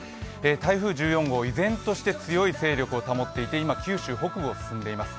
台風１４号依然として強い勢力を保っていて今、九州北部を進んでいます。